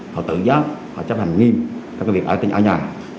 họ tự giác họ chấp hành nghiêm các việc ở nhà